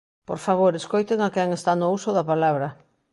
Por favor, escoiten a quen está no uso da palabra.